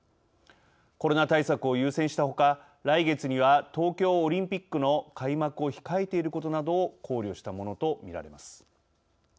コロナ対策を優先したほか来月には東京オリンピックの開幕を控えていることなどを考慮したものと見られます。